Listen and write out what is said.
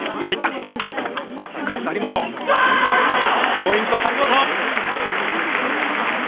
ポイント、張本！